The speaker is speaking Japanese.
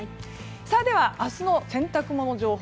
では、明日の洗濯物情報。